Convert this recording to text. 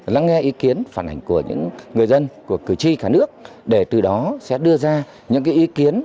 lắng nghe ý kiến phản ảnh của những người dân của cử tri cả nước để từ đó sẽ đưa ra những ý kiến